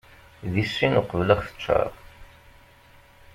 Di sin uqbel ad ɣ-teččar.